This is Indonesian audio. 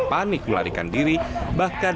panik melarikan diri bahkan